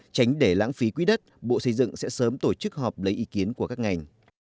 tránh để lãng phí quỹ đất bộ xây dựng sẽ sớm tổ chức họp lấy ý kiến của các ngành